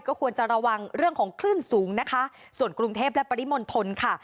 ควรจะระวังเรื่องของคลื่นสูงนะคะส่วนกรุงเทพและปริมณฑลค่ะ